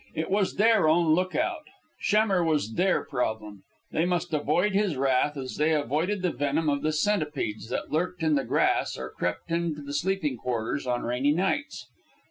It was their own look out. Schemmer was their problem. They must avoid his wrath as they avoided the venom of the centipedes that lurked in the grass or crept into the sleeping quarters on rainy nights.